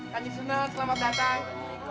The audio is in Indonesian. kanjeng sunan selamat datang